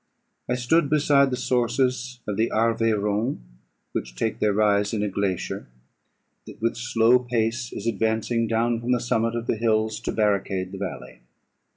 I stood beside the sources of the Arveiron, which take their rise in a glacier, that with slow pace is advancing down from the summit of the hills, to barricade the valley.